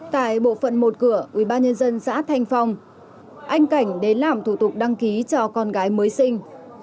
tại bộ phận một cửa ubnd xã thanh phong anh cảnh đến làm thủ tục đăng ký cho con gái mới sinh